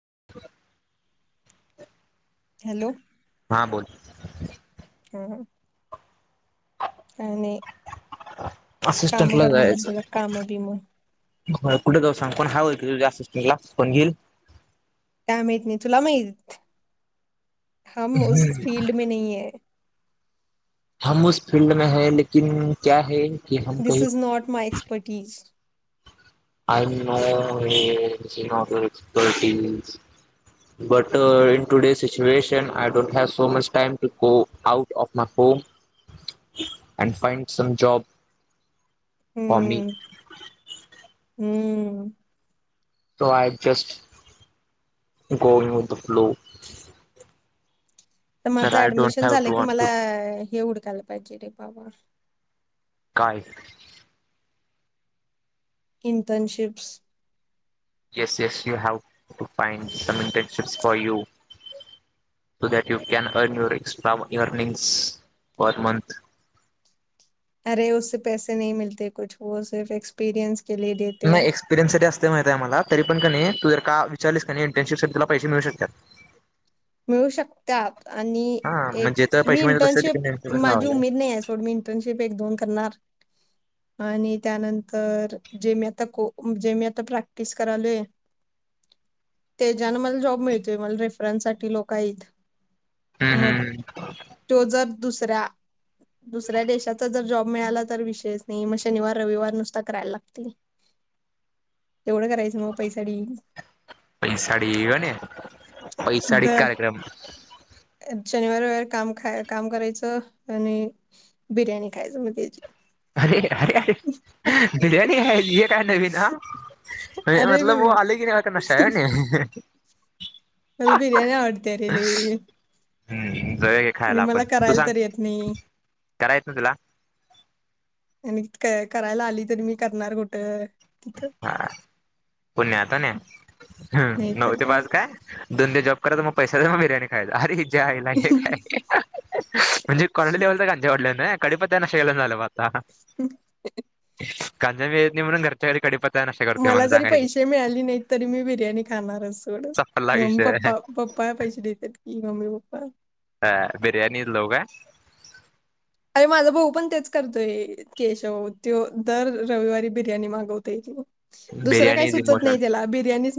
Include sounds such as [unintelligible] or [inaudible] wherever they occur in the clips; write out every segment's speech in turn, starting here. [inaudible] Hello हा बोल. हा आणि असिस्टंट ला जायचं बिम कुठे जाऊ सांग. कोण हवय तुला असिस्टंटला कोण घेईल. काय माहीत नाही तुला माहीत, हम उस फील्ड मे नही हे. हम उस फील्ड मे है लेकीन क्या है. की हम दिस कही is not my expertise. I know this is not expertise but in today situation I don't have so much time to go out of my home and find some job. For me. Hmm hmm, so I just go in the flow. तर माझं admission झालं की मला हे उड. झाल पाहिजे रे ब. काय. Internships. Yes yes you have to find some internships for you so that you can earn your extra earning per month. अरे उसे पैसे नही मिलते कुछ वह सर्फ एक्सपिरयंस. नाही एक्सपिरियन्ससाठी असते माहित आहे मला. तरी पण क नाही तू जर का विचारलीस का नाही इंटर्नशिप तुला पैसे मिळू शकतात. करू शकता. आणि हा एक म्हणजे तर मी पैसे मिळतात तसं तिकडे इंटर्नशिप नेमकच माझी लावायचं. उमेद नाही आहे. सोड मी इंटर्नशिप एक दोन करणार. आणि त्यानंतर जे म आता जे मी आता प्रॅक्टिस करालोय त्याच्यान मला जॉब मिळतय मला रेफरन. ती लोक आईत. हम्म म हम्म तो जर. दुसरा. दुसऱ्या देशाचा जर जॉब. मिळाला तर विषयच नाही मग शनिवार रविवार नुसता करायला लागतील. तेवढं करायचं मग पैसाडी. [inaudible] पैसाडी गणे पैसाडी कार्यक्रम शनिवार, रविवार काम खाय काम करायचं आणि बिर्याणी खायचं, मग त्याची अरे-अरे-अरे बिरयाणी ह काय नवीन? हा अरे मतल वो अलग ही तरका का नशा हे. मला बिर्याणी आवडत्यारे लई. हम् हम. आणि मला करायला तर येत नाही. करा येत ना तुला? आणि क करायला आली तरी मी करणार कुठं? तिथं हा पुण्या आता न, नाही नऊ तर ते पाज काय दोन ते जॉब कत मग पैसे बर्याणी खा अरे हीज्या आईला हे काय? म्हणजे कोणाड लेवल गांजा अवडल ना. कडीपत्या त्यांन शेलन झालं. ह. वेळेत निवडून कडीपत्ता मला जरी पैसे मिळाले नाहीत तरी, मी बिर्याणी खाणारच सोडं, संपला विषय मम्मी-पप्पा-पप्पा पैसे देतात, की मम्मी-प्पा हो. [unintelligible] आ बिर्याणीला लावू का? अरे माझा भाऊ पण तेच करतोय, केशव त दर रविवारी बिर्याणी मागवतेय की. बिर्याणी इमोशन,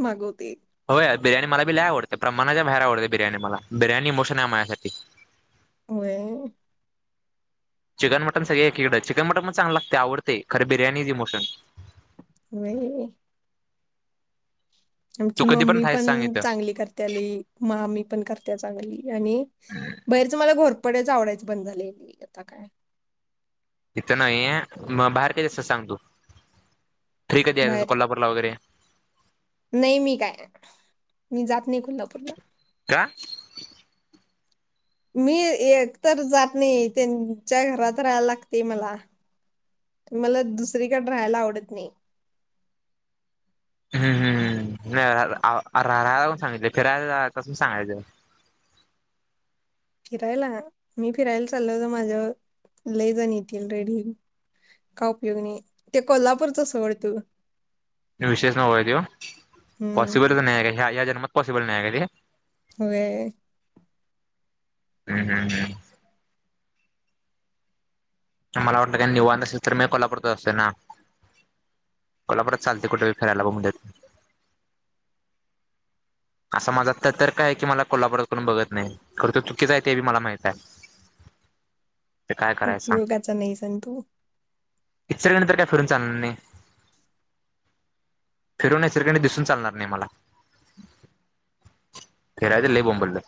मागवते हो बिर्याणी मला बी लय आवडते प्रमाणाच्या बाहेर आवडते, बिर्याणी मला बिर्याणी इमोशन आहे माझ्यासाठी. होय. चिकन-मटन सगळे एकीकडें, चिकन-मटन म चांगल लागते आवडते. खर बिर्याणी इमोशन नई. तू आमची कधी मम्मी खायचं पण सांग इथं चांगली करते लई, मा्मी पण करतेच चांगली आणि बाहेरच मला घोर पडेच आवडायच बंद झाले, आता काय? इथ नाही ये. मग बाहेर किती वाजता सांग तू. फ्री कधी आहेसं, बाहेर कोल्हापूला वगैरे. नाही मी काय, मी जात जात नाही कोल्हापूरला. का मी एक तर जात नाही, त्यांच्या घरात राहायला लागते मला मला दुसरीकडे राहायला आवडत नाही. हम्म, हम्. नाही राहायला आलोय सांगितले, फिरायला आलो सांगायचं. फिरायला? मी फिरायला चाललं त माझ्यावर लय जण येतील रडून. का उपयोग नाई ते कोल्हापूरचं सोड तू. विशेष नवं देव हम्म पॉसिबलच नाही आ रे. हा ह्या ज मग पॉसिबल नाही आय का ते? व्हय हम्-हम्-हम् मला वाटलं काय निवांत असेल तर मी कोल्हापुरात असते ना. कोल्हापुरात चालते कुठे वी फिरायला बघून देत. असा माझा त-तर्क आय की मला कोल्हापूरकडून बघत नाही, खरं तर चुकीचं आय ते बी मला माहित आय. ते काय करायचं सांग. उपयोगाचा नाही सण तू इच्चरंजी तर काय फिरून चालन्ना नाई. फिरून इचरकंजी दिसून चालणार नाही मला. फीरायचं लई बोंबल्लं.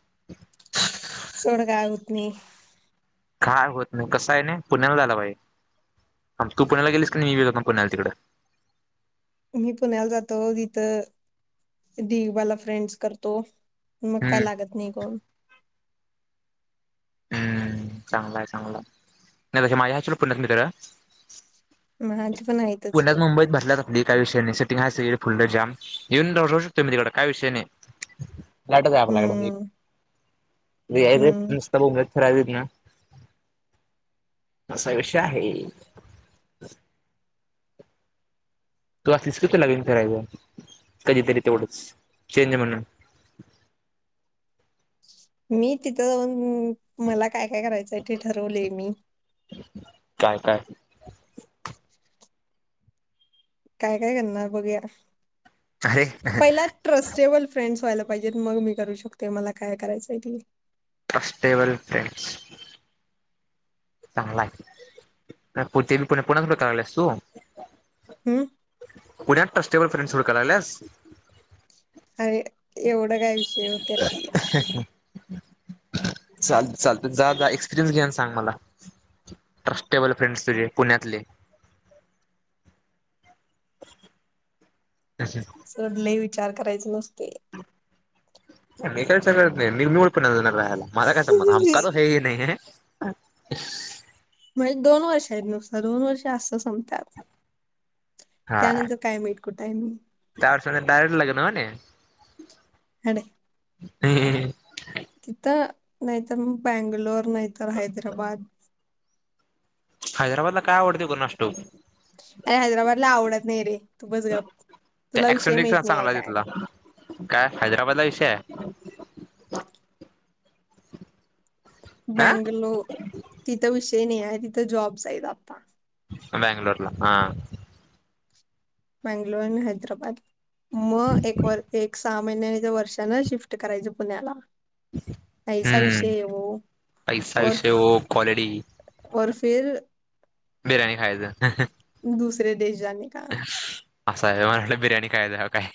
[inaudible] सोड काय उतनी. काय होत नाही, कसं आय नइ, पुण्याला जाला पाहिजे. अन् तू पुण्याला गेलीस की नई, वी जातो म् पुण्याला तिकडं. मी पुण्याला जातो तिथं, दिवीबाला फ्रेंड्स करतो. मग काय हम्म लागत नई कोण. हम्म चांगलाय चांगलाय नाही तस माझ्या आहेत पुण्यात मित्र. माझी पण आहेतच पुण्यात की. मुंबईत भरल्यात आपली काय विषय नाही सेटिंग हाय सगळीकड फुल्ल जाम, येऊन दररोज येतोय मी तिकड काय विषय नाही. लाटच आहे आपल्याकड हम्म ही हम्म [unintelligible] बोंबलत फिरायचं आहे ना असा विषय आहे. तू असलीस की तुला घेऊन फिरायचं कधीतरी तेवढंच चेंज म्हणून मी तिथं जाऊन मला काय काय करायचंय तेे ठरवले मी. काय काय? [inaudible] काय काय करणार बघूया. अरे पहिला ट्रस्टेबल फ्रेंडस व्हायला पाहिजेत मग मी करू शकते मला काय करायचंय ते. फस्टेबल फ्रेंडस. चांगला आहे तर पुतीन पुन्हा पुन्हा कराल्यास तू? हम. पुण्यात ट्रस्टेबल फ्रेंडस सुरू करल्यास. अ एवढ काय विषय ओ त्यात चालतय चालतय, जा जा, एक्सपिरियन्स घे आणि सांग मला. ट्रस्टेबल फ्रेंडस सगळे पुण्यातले. सोडलय मी. विचार करायच नसते. मी तर सगळ मी मूळ पुण्यातला. माझा काय संबंध [inaudible] अ म्हणजे दोन वर्ष आहेत नुसत दोन वर्ष असं संपतात. त्यानंतर काय माहित? कुठे आहे मग? त्यानंतर डायरेक्ट लग्न व्हॅनि. हड. हे हे हे. तिथं नाहीतर मग बंगलोर. नाही तर हैदराबाद. हैदराबादला काय आवडते कुणास ठाऊक? अरे हैदराबादला आवडत नाही रे तू बस गप. त्या तुला विषय ऍक्सेंट एक माहीत नाही आहे चांगला काय. तिथला काय हैदराबादला [inaudible] हा बॅंगलोर तिथं विषय मी आहे तिथे जॉब्स आहेत आता. बॅंगलूरला हा. बंगलोर आणि हैदराबाद मग एक व एक सहा महिन्याच्या वर्षान शिफ्ट करायचं पुण्याला. ऐसा हम्म विषय है वो पैसा और विषय हो क्वालिटी. और फिर बिर्याणी खायचं. दुसऱ्या दिवशी. जाणे का. असं आहे म्हटलं बिर्याणी काय द्या काय.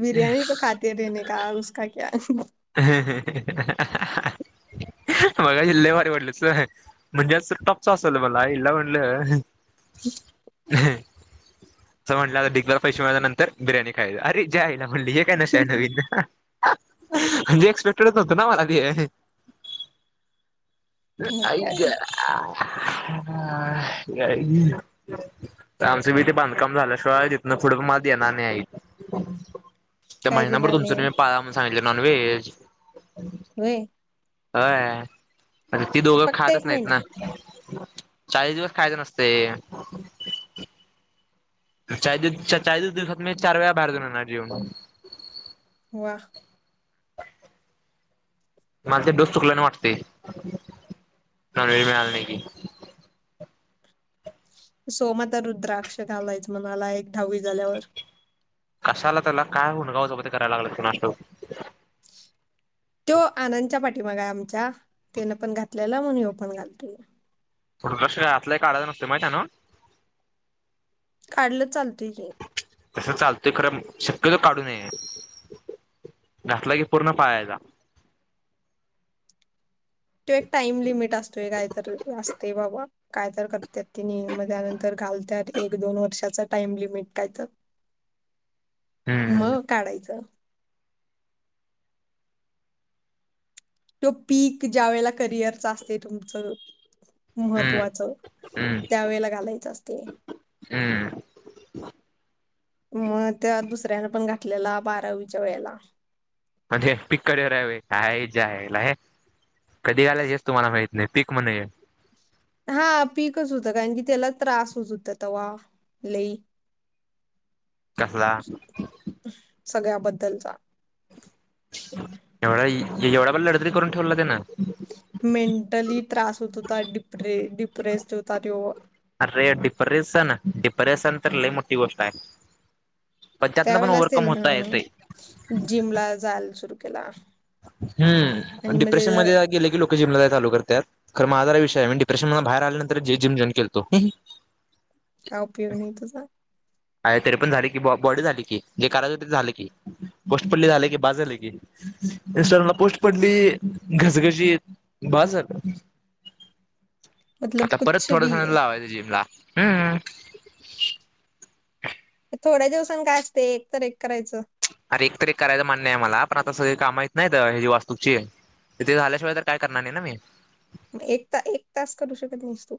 बिर्याणी त खात रहने का उसका क्या. [inaudible] बघा मगा हिल्ले भारी वाटले म्हणजे आ टॉपच असल मला आयल्ला म्हटलं अस म्हटलं आता गार पैशे मा नंतर बिर्याणी खायली अरे जायला. बोललीे हे काय नशा आहे नवीन? म्हणजे एक्सपेक्टेडच नव्हतं ना मला ते. मग आई काय ग का आमच बी ते बांधकाम झाल्याशिवाय तिथन पुुढं मात देणार नाही आई. त्या काय महिनाभर देणार तुमचं नाही तुम्ही पाळा म्हणून सांगितलंय. नॉनव्हेज व्हय होय अरे ती दोघं फक्त खातच एक नाहीत ना महिना चाळीस दिवस. खायचं नसतय. चास चाळीस दिस दिवसात मी चार वेळा बाहेर गेलो नाही जेवन वां मला ते डोस चुकला नाही वाटते नॉनव्हेज मिळाला नाही की सोमात रुद्राक्ष घालायच मनाला एक दहावी झाल्यावर कशा आला त्याला काय होनगा उचापत्या करायला लागलं ते कोणास ठाऊक. तो आनंदच्या पाठीमागे. आमच्या तेन पण घातलेला म्हणून ये पण घालतोय शरतला काढला नसते माहित्यान [unintelligible] काढलं चालतय ये की तस चालतंय खरं शक्यतो काढू नये घातला की पूर्ण पाळायाचा. तो एक टाइम लिमिट असतोय काहीत असते बाबा. काय तर करत ति म त्यानंतर घालतात एक दोन वर्षाचा टाइम लिमिट काय तर. हम्म मग काढायचं तो पीक ज्या वेळेला करिअरचा असते तुमचं. हम्म महत्वाचं हम्म. त्यावेेळेला घालायचं असते. हम्म मग त्या दुसऱ्याने पण घातलेला बारावीच्या वेळेला. म्हणजे पीक करियर आहे होय काय त्याच्या आयला कधी घालायचेस तुम्हाला माहित नाही पीक म्हणे. हा पीकच होतं कारण की त्याला त्रास होत होत तवा लई कसला? सगळ्याबद्दल चा. एवढा एवढा [unintelligible] करून ठेवला त्यानं. मेंटली त्रास होत होता डिप्रे डिप्रेस्ड होता त्यो अरे डिप्रेशन डिप्रेशन तर, लई मोठी गोष्ट आहे. पण त्यातनं पण त्यावेेळेलाच ते ओव्हरकम न होता येतंय अ जिमला जाल सुरू केला. हम्म आणि मग डिप्रेशन त्याचा मध्ये अ गेले की लोक जिमला जाया चालू करतात. खरं माझा विषय आये मी डिप्रेशन न भायर आल्यानंतर जे जिम जॉईन केलतो. का उपयोग नाही तुझा. एय तरी पण झाली की बॉ बॉडी झाली की, जे काराच ते झाल की, पोस्ट पडली झालय की बास झालय की. इंस्टाग्रामला पोस्ट पडली घसघशीत बास झालं. मतलब आता परत कुछ भी थोडसाण लावायचं जिमला. हम्म. थोड्या दिवसांन काय असते एक तर एक करायचं अरे एकतरी करायचं म्हणणं आहे मला, पण आता स काम हाईत नाहीत हे, जे वास्तूची त ते झाल्याशिवाय तर काय करणार नाही ना मी. एक ता एक तास करू शक नाहिस तूं?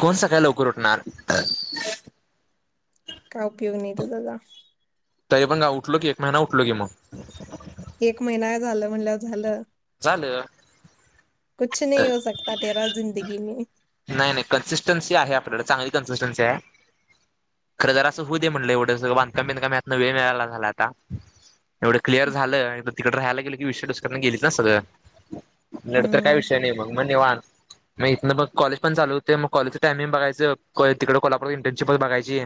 कोण सकाळी लवकर उठणार? काय उपयोग नाही तुझा जा. तरी पण ग उठलो की, एक महिना उठलो की मग. एक महिना झालं म्हणल्यावर झालं. झालं कुछ नाही हो सकता तेरा जिंदगी मे नाही नाही कन्सिस्टन्सी आहे आपल्या कड चांगली कन्सि [unintelligible] खरं तर असं हू दे म्हणलं एवढं सग बांधकाम बिधकाम यातन वेळ मिळाला झाला आता. एवढं क्लिअर झालं आ तिकडे राहायला गे की विषयच [unintelligible] गेले. जस ग. नंडतर काय हम्म विषय नाही, मग म निवांत. म इथनं बग कॉलेज पण चालू होते मग, कॉलेजच टाइमिंग बघायचं कोय तिकडे कोल्हापूरात इंटर्नशिप बघायची.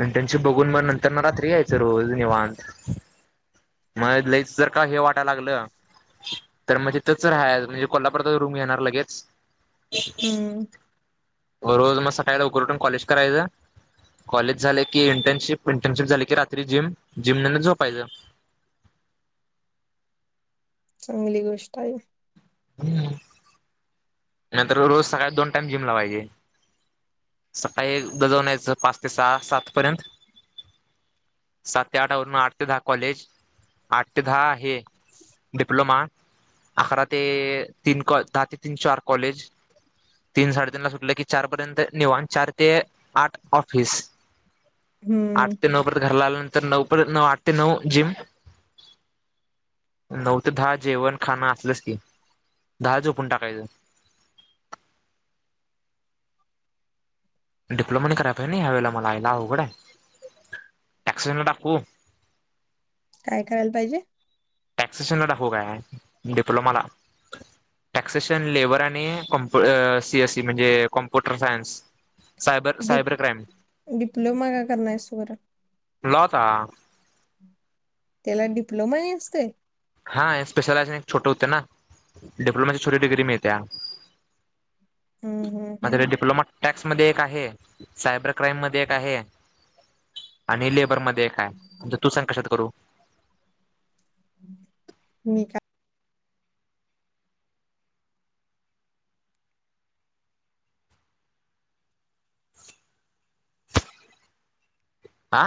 इंटर्नशिप बघून म नंतर न रात्री यायचं रोज निवांत. म लईच जरका हे वाट लागलं तर म्हजे तच राहा म्हंजे कोल्हापुरात रूम घेणार लगेच. हम्म. रोज म सकाळी लवकर उठून कॉलेज करायचा. कॉलेज झाले कि इंटर्नशिप, इंटर्नशिप झाली की, रात्री जिम जिम नंतर झोपायच. चांगली गोष्ट आहे. हम्म. नंतर रो रोज सकाळी दोन टाईम जिम लावायची. सकाळी एकदा जाऊन यायचं पाच ते सहा सात पर्यंत. सात ते आठा वरून आठ ते दहा कॉलेज. आठ ते दहा हे डिप्लोमा, अकरा ते अ तीन कॉ दहा ते तीन चार कॉलेज. तीन साडेतीन ला सुटलं की चार पर्यंत निवांत चार ते आठ ऑफिस. आठ हम्म ते नऊ परत घरला आलं तर नऊ परत नऊ आठ ते नऊ जिम, नऊ ते दहा जेवण खाण असलंस की दहा झोपून टाकायचं डिप्लोमा नाही करायला पाहिजे ना ह्यावेळला मला आईला अवघड आहे ऍक्सट्रनला टाकू काय करायला पाहिजे? टॅक्सेशनला दाखव काय डिप्लोमाला टॅक्सेशन लेबर आणि कॉमप सीएसईी म्हणजे computer science cyber D cyber crime diploma का करणार आहेस तू बर हा.. त्याला डिप्लोमानी असतय? हा स्पेशलायेशन छोट होते ना डिप्लोमाची छोटी डिग्री मिळत्या हम्म हम्म म हम्म [unintelligible] डिप्लोमा टॅक्स मध्ये एक आहे सायबर क्राईम मध्ये एक आहे, आणि लेबर मध्ये देखाय म्हणजे तू सांग कशात करू? हम्म खा [unintelligible] आ..